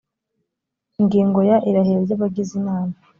ingingo ya irahira ry abagize inama